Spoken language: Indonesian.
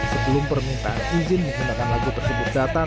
sebelum permintaan izin menggunakan lagu tersebut datang